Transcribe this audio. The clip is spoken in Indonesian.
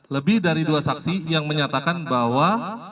lebih dari dua saksi yang menyatakan bahwa